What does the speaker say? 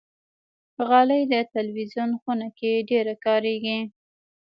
غالۍ د تلویزون خونه کې ډېره کاریږي.